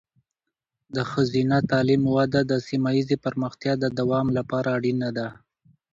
د ښځینه تعلیم وده د سیمه ایزې پرمختیا د دوام لپاره اړینه ده.